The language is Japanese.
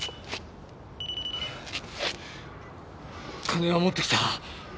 金は持ってきた。